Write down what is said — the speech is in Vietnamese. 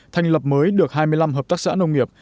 thành lập mới được hai mươi năm hợp tác xã nông nghiệp